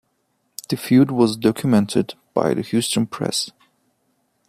The feud was documented by the Houston Press.